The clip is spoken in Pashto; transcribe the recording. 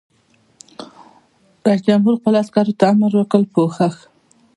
رئیس جمهور خپلو عسکرو ته امر وکړ؛ پوښښ!